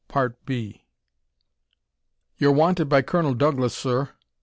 PART II "You're wanted by Colonel Douglas, sir."